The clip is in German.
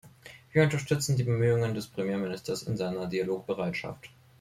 Wir unterstützen die Bemühungen des Premierministers in seiner Dialogbereitschaft.